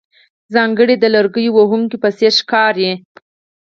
ځانګړی د لرګیو وهونکو په څېر ښکارې.